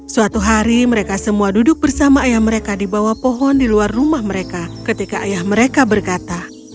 suatu hari mereka semua duduk bersama ayah mereka di bawah pohon di luar rumah mereka ketika ayah mereka berkata